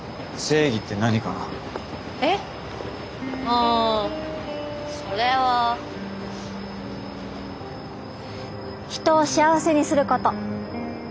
うんそれは人を幸せにすること。